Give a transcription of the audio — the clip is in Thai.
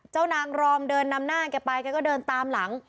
นางรอมเดินนำหน้าแกไปแกก็เดินตามหลัง